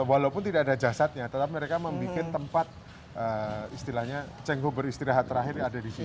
walaupun tidak ada jasadnya tetapi mereka membuat tempat istilahnya cenghoi beristirahat terakhir ada di situ juga